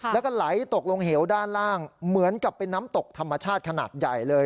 แล้วก็ไหลตกลงเหวด้านล่างเหมือนกับเป็นน้ำตกธรรมชาติขนาดใหญ่เลย